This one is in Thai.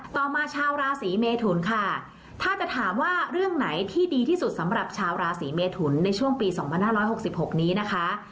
ต่อมาชาวราศีเมทุนค่ะถ้าจะถามว่าเรื่องไหนที่ดีที่สุดสำหรับชาวราศีเมทุนในช่วงปี๒๕๖๖นี้นะคะ